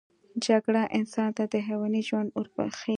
جګړه انسان ته د حیواني ژوند ورښيي